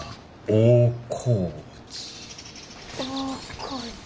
大河内。